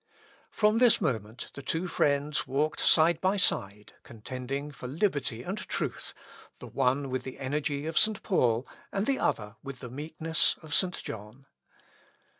" From this moment the two friends walked side by side, contending for liberty and truth, the one with the energy of St. Paul, and the other with the meekness of St. John.